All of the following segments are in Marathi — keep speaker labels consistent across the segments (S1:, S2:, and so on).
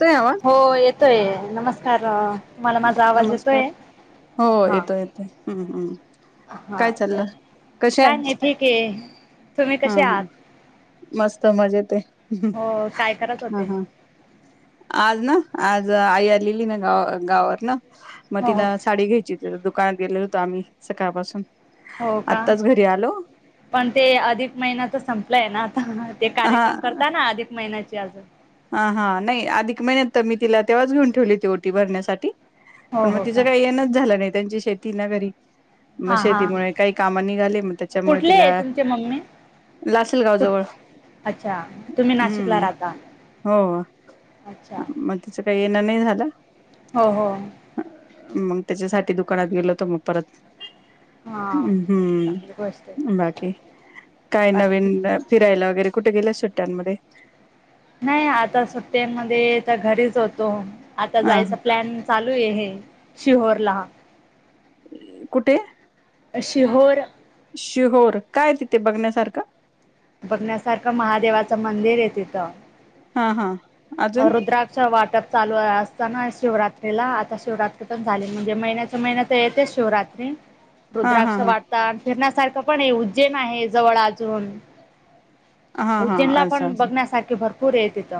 S1: येतोय आवाज?
S2: हो येतोय नमस्कार तुम्हाला माझा आवाज
S1: नमस्कार.
S2: येतोय?
S1: हो
S2: हा
S1: येतो येतोय हम्म हम्म.
S2: हा
S1: काय
S2: तर,
S1: चाललं? कशा
S2: काय
S1: आहेत?
S2: नाही ठीक आहे, तुम्ही
S1: हा
S2: कसे
S1: हा.
S2: आहात?
S1: मस्त मजेत ये,
S2: हो काय करत
S1: हा
S2: होते
S1: हा. आज ना, आज आई आलेलीय ना गा गावावरन. मग
S2: हो हो
S1: तिला साडी घ्यायची होती. त दुकानात गेलो होतो आम्ही. सकाळपासून.
S2: हो का?
S1: आत्ताच घरी आलो.
S2: पण ते अधिक महिना त संपलाय ना आता. ते
S1: हा
S2: कार्यक्रम करताना अधिक महिन्याचे अजून.
S1: ह ह. नाही अधिक महिन्यात तर मी तिला तेव्हाच घेऊन ठेवली होती. ओटी भरण्यासाठी.
S2: हो
S1: पण
S2: हो
S1: मग तिचं
S2: का
S1: काही येनच झालं नाही. त्यांची शेती ना घरी. म
S2: हा हा
S1: शेतीमुळे काही काम निघाले. म त्याच्यामुळे
S2: कुठले
S1: तिला
S2: आहे तुमचे मम्मी
S1: लासलगाव
S2: कुठ
S1: जवळ.
S2: अच्छा तुम्ही नाशिकला
S1: हम्म.
S2: राहता
S1: हो.
S2: अच्छा
S1: म तिचं काही येण नाही झालं.
S2: हो हो.
S1: मग त्याच्यासाठी दुकानात गेलो होतो मग परत.
S2: हा चांगली गोष्ट
S1: हम्म,
S2: आहे
S1: बाकी काय
S2: बाकी
S1: नवीन
S2: ठीक
S1: फिरायला वगैरे कुठे गेलेस सुट्ट्यांमध्ये?
S2: नाही आता सुट्ट्यांमध्ये तर घरीच होतो. आता
S1: हा
S2: जायचा प्लॅन चालूये. शिहोरला.
S1: कुठे?
S2: शिहोर.
S1: शिहोर काय तिथे बघण्यासारखं?
S2: बघण्यासारखं महादेवाचं मंदिरे तिथं.
S1: ह ह.
S2: रुद्राक्ष वाटप चालू असताना शिवरात्रीला. आता शिवरात्री पण झाली. म्हणजे महिन्यात महिना तर येतेच शिवरात्री.
S1: हा हा
S2: रुद्राक्ष
S1: हा
S2: वाटतात. फिरण्यासारखं पण आहे. उज्जैन आहे. जवळ अजून.
S1: हा हा
S2: उज्जैनला
S1: असं
S2: पण
S1: असं
S2: बघण्यासारखे भरपूरे तिथ.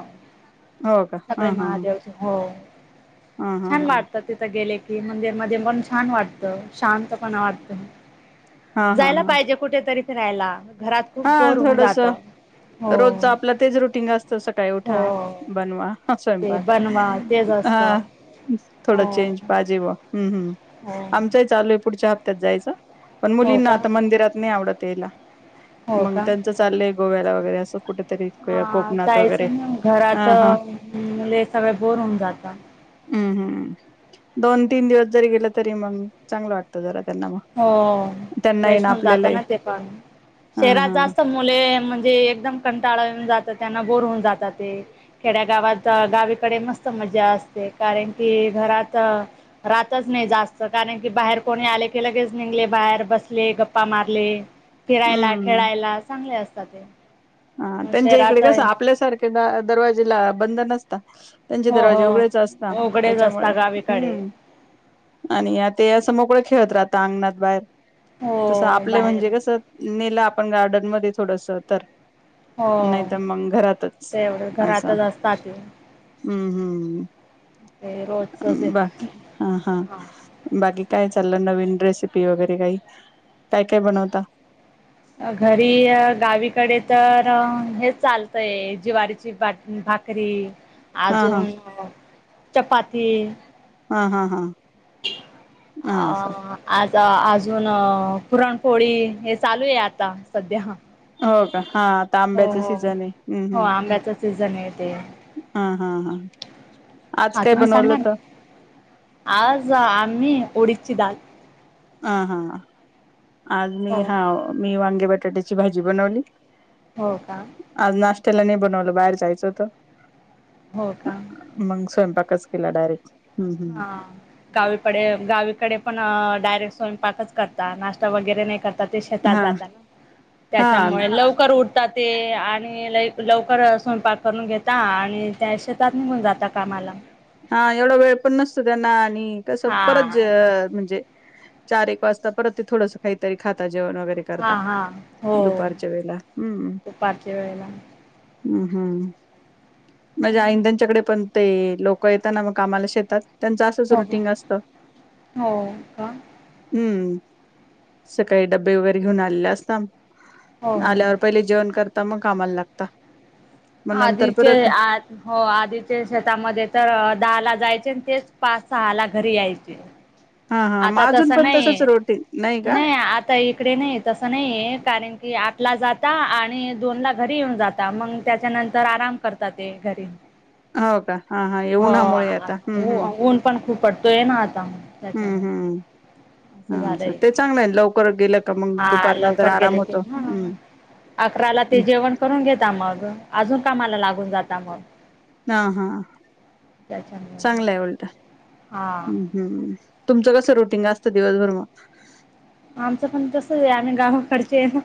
S1: हो का हा
S2: सगळे
S1: हा हा
S2: महादेवचे. हो
S1: हा हा
S2: छान
S1: हा
S2: वाटत. तिथं गेले की, मंदिर मध्ये पण छान वाटतं. शांत पण वाटत.
S1: हा हा
S2: जायला पाहिजे कुठेतरी फिरायला. घरात खूप
S1: हा
S2: बोर होऊन
S1: थोडस.
S2: जात हो
S1: रोजच आपलं तेच रुटीग असत. सकाळी
S2: हो
S1: उठा, बनवा
S2: ते
S1: स्वयंपाक.
S2: बनवा तेच
S1: ह
S2: असतं
S1: थोड
S2: हो
S1: चेंज. बाजीबा. हम्म हम्म
S2: हो
S1: आमचही चालूये. पुढच्या हप्त्यात जायचं. पण
S2: हो
S1: मुलींना
S2: का
S1: आता मंदिरात नाही आवडत यायला.
S2: हो
S1: मग
S2: का
S1: त्यांचं चाललंय गोव्याला वगैरे असं कुठे
S2: हा जायचं ना
S1: हा हा
S2: घरातले सगळे बोर होऊन जातात.
S1: हम्म हम्म, दोन तीन दिवस जरी गेलं तरी, मग चांगलं वाटतं जरा त्यांना मग.
S2: हो
S1: त्यांना येईन
S2: फ्रेश होऊन जाता
S1: आपल्यालाही
S2: ना ते पण.
S1: हा
S2: शहरात
S1: हा
S2: जास्त मुले म्हणजे एकदम कंटाळून जात. त्यांना बोर होऊन जातात ते. खेड्या गावात गावीकडे मस्त मजा असते. कारण की घरात राहातच नाही जास्त. कारण की बाहेर कोणी आले लगेच निघले बाहेर. बसले गप्पा मारले. फिरायला,
S1: हम्म
S2: खेळायला, चांगले असतात ते.
S1: हा त्यांच्या इकडे
S2: शहरात
S1: कसं, आपल्यासारख्या दरवाजे ला बंद नसता. त्यांचे
S2: हो
S1: दरवाजे उघडेच असता.
S2: हो उघडेच
S1: त्याच्यामुळे.
S2: असता गावीकडे
S1: हम्म. आणि ते अस मोकळ खेळत राहता. अंगणात. बाहेर. तस
S2: हो
S1: आपलं
S2: बाहेर
S1: म्हणजे कसं, नेलं आपण गार्डन मध्ये थोडस तर.
S2: हो
S1: नाही त मग घरातच.
S2: ते एवढं
S1: असं
S2: घरातच असतात
S1: हम्म हम्म.
S2: ते रोजच
S1: बाकी हा हा. बाकी काय चाललं नवीन रेसिपी वगैरे काही काय काय बनवता?
S2: घरी गावीकडे तर हेच चालतय ज्वारीची बाट भाकरी
S1: हा हा
S2: अजून अ चपाती
S1: हं हं हं
S2: आ आज अजून पुरणपोळी हे चालू ये आता सध्या
S1: हो का हा आता आांब्याच
S2: हो
S1: सीजन ये हूं
S2: हो
S1: हूं
S2: आंब्याचा सीझन ये ते.
S1: हा हा हा आज
S2: हा
S1: काय
S2: तुम्ही
S1: बनवलं
S2: सांगा
S1: होत.
S2: आज आम्ही उडीदची डाल.
S1: हा हां आज मी
S2: हो
S1: हा मी वांगे बटाट्याची भाजी बनवली.
S2: हो का
S1: आज नाश्त्याला नाय बनवलं बाहेर जायचं होत.
S2: हो का
S1: मंग स्वयंपाकच केला डायरेक्ट. हम्म
S2: हा
S1: हम्म
S2: गावीकडे गावीकडे पण डायरेक्ट स्वयंपाकच करता. नाश्ता वगैरे नाय कर त ते शेतात
S1: हा
S2: जाता ना
S1: हा
S2: त्याच्यामुळे लवकर उठ ता ते आणि लई लवकर स्वयंपाक करून घेता आणि त्या शेतात निघून जाता कामाला.
S1: हा एवढा वेळ पण नसतो त्यांना आणि कसं
S2: हा
S1: परत जे अ म्हणजे चार एक वाजता परत ते थोडसं कायतरी खाता परत जेवण वगैरे.
S2: हा
S1: करता
S2: हा हो
S1: दुपारच्या वेळेला हम्म
S2: दुपारच्या वेळेला
S1: हम्म हम्म माझ्या आईनं त्यांच्याकडे पण ते लोक क येता ना मंग कामाला शेतात त्यांचं असंच
S2: हो का
S1: रुटीन असत.
S2: हो का
S1: हम्म सकाळी डब्बे वगैरे घेऊन आलेले असता.
S2: हो हो
S1: आल्यावर पहिले जेवण करता मग कामाला लागता. मग नंतर
S2: आधीचे
S1: परत
S2: आ हो आधीच्या शेतामध्ये तर दहा ला जायचे, आणि तेच पाच सहाला घरी यायचे.
S1: हा हा मग
S2: आता
S1: अजून
S2: तसं
S1: पण तसच
S2: नाहीये.
S1: रोटीन का
S2: नाही आत. तय इकडे नाही ये तसं नाहीये कारण की आठला जाता आणि दोन ला घरी येऊन जात ता मंग त्याच्यानंतर आराम करता ते घरी
S1: हो का हा हा उन्हामुळे आता हम्म
S2: हो
S1: हम्म
S2: ऊन पण खूप पडतोय, ना आता
S1: हम्म
S2: त्याच्यामुळे
S1: हम्म हा
S2: असं
S1: अच्छा
S2: झालंय.
S1: ते चांगलं ये णा लवकर गेलं का मग
S2: हा
S1: दुपारनंतर
S2: लवकर
S1: आराम
S2: गेले की
S1: होतो.
S2: हा.
S1: हम्म
S2: अकराला ते जेवण करून घेता. मग अजून कामाला लागून जाता. म
S1: हा हां
S2: त्याच्यामुळे
S1: चांगलंय उलटं
S2: हा
S1: हम्म तुमचं कसं रुटींग असतं दिवसभर म
S2: आमचं पण तसच ये आम्ही गावाकडचे ये ना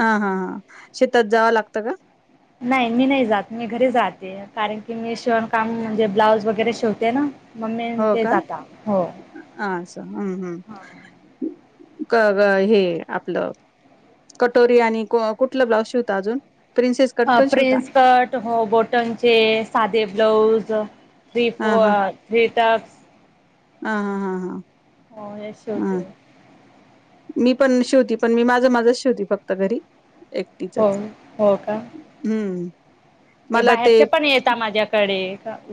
S1: हा हा हां शेतात जावं लागतं का?
S2: नाय मी नाय जात मी घरी जाते कारण की मी शिवण काम म्हणजे, ब्लाऊज वगैरे शिवते ना मम्मीनं ते जाता हो
S1: अस हम्म हम्म क ग हे आपलं कटोरी आणि कुठलं ब्लाउज शिवता अजून प्रिन्सेस कट
S2: अ
S1: पण शिवता
S2: प्रिन्स कट हो बॉटनचे साधे ब्लाऊज थ्री
S1: हा
S2: फ
S1: हा
S2: थ्री टक्स
S1: हा हा हा हां
S2: हो. यश
S1: मी पण शेवती पण मी माझं माझं शेवती फक्त घरी एक
S2: हो हो का?
S1: हम्म
S2: हे
S1: मला ते
S2: बाहेरचे पण येेत माझ्याकडे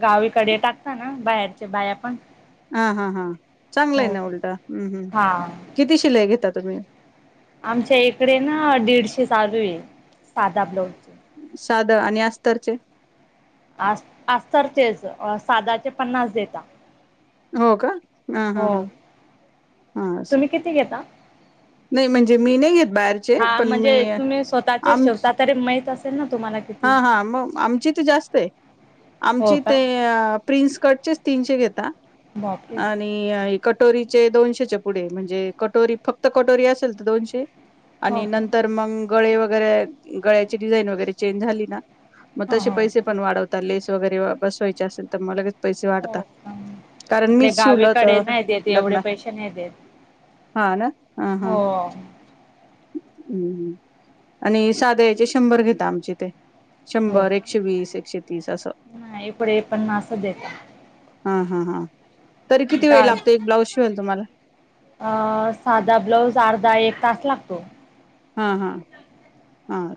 S2: गावीकडे टाकता ना बाहेरच्या बाया पण
S1: हा हा हां चांगलाय,
S2: हो
S1: ना उलटा हम्म हम्
S2: हा
S1: किती शिला घेता तुम्ही
S2: आमच्या इकडे ना दीडशे चालू आहे साधा ब्लाउज
S1: साध आणि अस्तरचे
S2: आ अस्तरचेच साधाचे पन्नास देेत.
S1: हो का हां हां हां हां
S2: तुम्ही किती घेता?
S1: नाही म्हणजे मी नाही घेत बाहेर
S2: हा म्हणजे तुम्ही स्वतःचे शेवता तरी माहीत असेल ना तुम्हाला
S1: हा
S2: किती?
S1: हा, मग आमची ईथ जास्त हाय,
S2: हो
S1: आमची
S2: का?
S1: ते प्रिनस कट चेच तीनशे घेता
S2: बाकी?
S1: आणि कटोरीचे दोनशेच्या पुढे,, म्हणजे, कटोरी फक्त,, कटोरी असेल तर दोनशे.
S2: हो
S1: आणि
S2: का?
S1: नंतर मग गळे वगैरे गळ्याची डिझाईन वगैरे चेंज झाली ना. मग
S2: हा
S1: तसे
S2: हा.
S1: पैसे पण वाढवतात लेस वगैरे बसवायचे असेल तर म लगेच पैसे वाढतात.
S2: हो का?
S1: कारण
S2: इकडे
S1: मीच शिवलत
S2: गावीकडे नाही देत एवढे
S1: लग्नात
S2: पैसे नाही देत.
S1: हा. ना हा हां
S2: हो
S1: हम् आणि साध्याचे शंभर घेता आमचे ते
S2: हो
S1: शंभर
S2: का?
S1: एकशे वीस एकशे तीस असं.
S2: नाही इकडे पण असं देता
S1: हा हा हा,, तरी किती वेळ
S2: डाळ
S1: लागतोय एक ब्लाउज शिवायला तुम्हाला?
S2: अ, साधा ब्लाऊज अर्धा एक तास लागतो.
S1: हा हा हा,,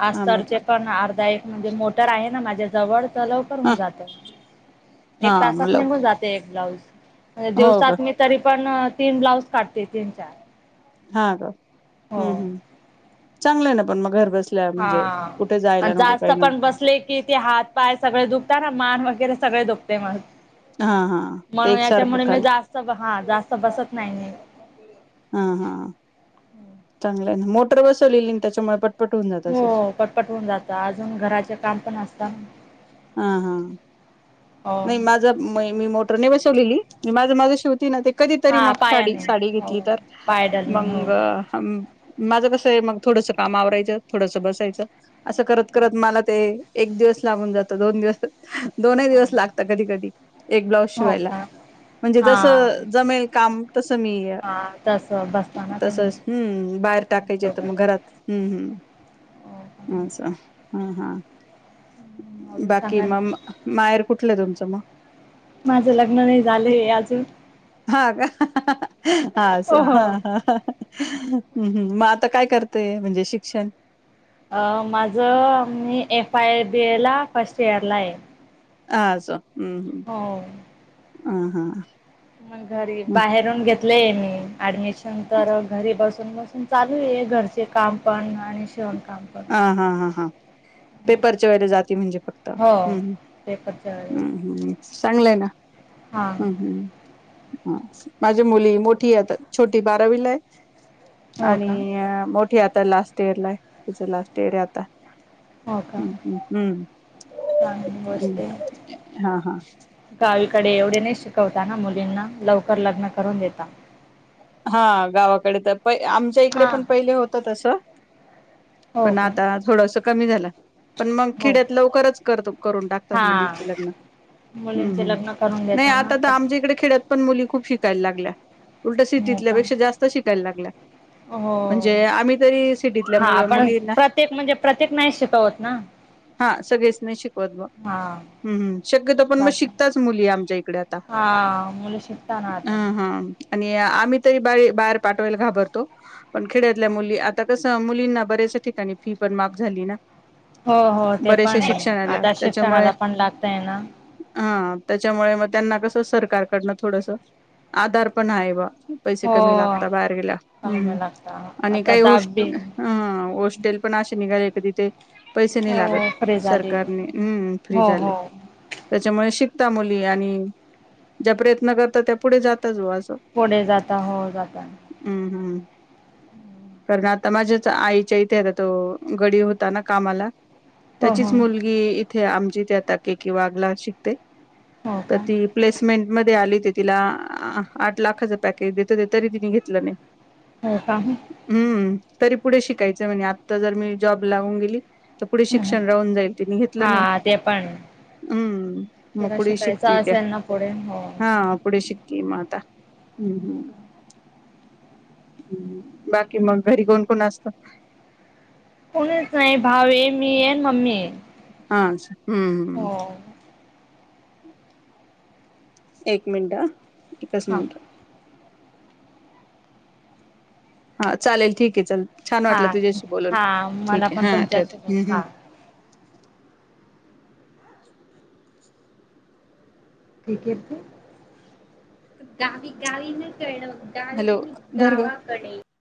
S2: आज
S1: हा
S2: तर,
S1: मग
S2: ते पण अर्धा एक म्हणजे, मोटर आहे ना माझ्या जवळ, च लऽ
S1: ह
S2: करवून जात,
S1: हा
S2: एक
S1: मग
S2: तासात नि घुन
S1: लवकर
S2: जात एक ब्लाऊज, मजे
S1: हो
S2: देव
S1: का
S2: सात तरी पण तीन ब्लाऊज काढते. तीन चार.
S1: हा, ग,
S2: हो.
S1: हम्म हम्, चांगलं आहे ना पण. मग घर बस
S2: हा,, जास्त पण बसले. कि ते हात पाय सगळे दुखतात ना,, मान वगैरे सगळे दुखते मग माझं.
S1: हा हा ते
S2: म्हणून
S1: एकसारखं
S2: याच्यामुळे मी
S1: काल
S2: जास्त,, हा जास्त बसत नाही म
S1: हा हा, चांगलं आहे ना, मोटर बसवलेली त्याच्यामुळे प
S2: होय, पटपट होऊन जातं, अजून घराचे काम पण असतात.
S1: हा हा,
S2: हो.
S1: नाही माझं. मी मोटर नै बसवलेली, मी माझं माझं शीवती ना. कधीतरी
S2: हा
S1: मग, साडी,
S2: पायाने
S1: साडी
S2: हो
S1: घेतली तर,
S2: पायडलने हो.
S1: मंग माझं कसं आहे मग, थोडंसं काम आवरायचं, थोडंसं बसायचं, असं करत करत, मला ते एक दिवस लागून जात. दोन दिवस, दोनही दिवस लागत कधी कधी एक ब्लाऊज
S2: हो
S1: शिवायला,
S2: का
S1: म्हणजे
S2: हा
S1: जस जमेल काम. तस मी,
S2: हा तस बसताना तुम्ही.
S1: तसच, हम्म, बाहेर टाकायचे तर मग घरात हम्म
S2: बरोबर.
S1: हम्म, अच्छा, हा हा
S2: अजून
S1: बाकी
S2: सांगा ना
S1: मग,
S2: तुम्ही.
S1: माहेर कुठलं तुमचं मग?
S2: माझं लग्न नाही झालंय अजून.
S1: ह का? हा असो,
S2: ओ हो.
S1: हा ह. हम्म हम्म, म आता काय करतेय. म्हणजे शिक्षण.
S2: अ माझं, मी एफ आय बी ए ला फर्स्ट इयरलाय.
S1: असो, हम्म हम्म.
S2: हो.
S1: ह ह.
S2: मग घरी, बाहेरून घेतलेय मी ऍडमिशन तर, घरी बसून बसून चालूये घरचे काम पण, आणि शिवणकाम पण.
S1: हा हा हा हा. पेपरच्या वेळीला जाती म्हणजे फक्त. हम्म हम्म.
S2: परच्या वेळेस.
S1: हम्म हम्म. चांगलंय ना.
S2: हा
S1: हम्म हम्म. आस. माझी मुली मोठीय आता. छोटी बारावीलाय.
S2: हो
S1: आणि,
S2: का
S1: मोठी आता लास्ट इयर लाय. तिच लास्ट इयरे आता.
S2: हो का
S1: हम्म हम्म
S2: चांगली
S1: हम्म.
S2: गोष्ट आहे.
S1: हम् हा हा.
S2: गावीकडे एवढे नाही शिकवता ना मुलींना. लवकर लग्न करून देता.
S1: हा गावाकडे त प, आमच्या इकडे
S2: हा.
S1: पण पहिले होत तसं.
S2: हो
S1: पण
S2: का
S1: आता थोडस कमी झालं. पण मग
S2: हो
S1: खिड्यात लवकरच करत, करून टाकतात
S2: हा
S1: मुलींचे लग्न. हम्म
S2: मुलींचे
S1: हम्म.
S2: लग्न करून
S1: नाही
S2: देता ना
S1: आता त
S2: ते
S1: आमच्या इकडे खेड्यात पण मुली खूप शिकायला लागल्या. उलट
S2: हो
S1: सीटीतल्या
S2: का
S1: पेक्षा जास्त शिकायला लागल्या.
S2: हो.
S1: म्हणजे आम्ही तरी सिटीतल्या मु
S2: हा पण,
S1: मुलींना
S2: प्रत्येक म्हणजे प्रत्येक नाही शिकवत ना.
S1: हा, सगळेच नाही शिकवत बा.
S2: हा
S1: हम्म हम्म, शक्यतो पण मग
S2: बाकी
S1: शिकताच मुली आमच्या इकडे आता.
S2: हा मुलं शिकता ना
S1: ह
S2: आता
S1: हम्म. आणि आम्ही तरी बा, बाहेर पाठवायला घाबरतो. पण खेड्यातल्या मुली, आता कस मुलींना बऱ्याच ठिकाणी फी पण माफ झालीय ना.
S2: हो हो ते
S1: बऱ्याचशा
S2: पणे.
S1: शिक्षणाला
S2: आता
S1: त्याच्यामुळे
S2: शिक्षणाला पण लागतय ना.
S1: हा त्याच्यामुळे मग त्यांना कसं, सरकारकडनं थोडस आधार पण आहे बा. पैसे
S2: हो
S1: कमी लागता बाहेर गेल्याव. हम्म हम्म,
S2: चांगलं लागत
S1: आणि
S2: आता
S1: काही होस्ट
S2: दहावी
S1: ह होस्ट टेल पण असे निघाले का? तीथे पैसे नाही लागत.
S2: हो फ्री झाली
S1: सरकारने हम्म फ्री
S2: हो
S1: झालय.
S2: हो
S1: त्याच्यामुळे शिकता मुली. आणि ज्या प्रयत्न करता त्या पुढे जाताच बा अस.
S2: पुढे जाता. हो जाता.
S1: हम्म हम्म. कारण आता माझ्याच आईच्या इथे तो गडी होता ना कामाला.
S2: हो हो
S1: त्याचीच मुल गी इथे आमच्याइथे आता के के वाघ ला शिकते.
S2: हो
S1: त
S2: का
S1: ती प्लेसमेंट मधी आली ते तिला आठ लाखाच पॅकेज देत होते. तरी तिने घेतलं नाही.
S2: हो का?
S1: हम्म, तरी पुढे शिकायचंय म्हणे. आता जर मी जॉब लावून गेली तर पुढे शिक्षण राहून जाईल. तिने घेतलं
S2: हा
S1: नाही.
S2: ते पण
S1: हम्म म
S2: तिला
S1: पुढे
S2: शिकायचं
S1: शिकतीय ती
S2: असेल ना पुढे हो.
S1: हा पुढे शिकतेय म आता. हम्म हम्म. बाकी मग घरी कोण कोण असत?
S2: कोणीच नाही. भावये, मीये, मम्मीये.
S1: अच्छा हम्म हम्म. एक मिनटहा, एकच
S2: हा
S1: मिनट. हा चालेल ठीक आहे, चाल छान
S2: हा
S1: वाटलं तुझ्याशी बोलून,
S2: हा मला
S1: ठीक आहे,
S2: पण
S1: हा, ठेवत
S2: तुमच्यासोबत
S1: ह्.
S2: हा ठीक आहे ते, गावी, गावी न कळलं. गावी
S1: हॅलो
S2: नाही,
S1: धर ग
S2: गावाकडे